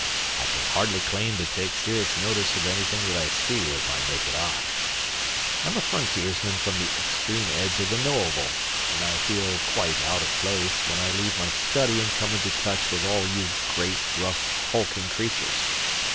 I can hardly claim to take serious notice of anything that I can see with my naked eye. I'm a frontiersman from the extreme edge of the Knowable, and I feel quite out of place when I leave my study and come into touch with all you great, rough, hulking creatures.